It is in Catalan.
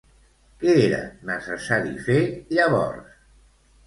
Què era necessari fer, llavors?